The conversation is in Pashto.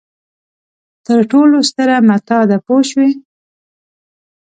تر ټولو ستره متاع ده پوه شوې!.